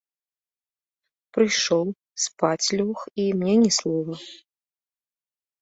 Прыйшоў, спаць лёг і мне ні слова.